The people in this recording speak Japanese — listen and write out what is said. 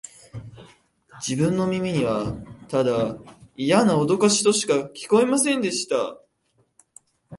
自分の耳には、ただイヤなおどかしとしか聞こえませんでした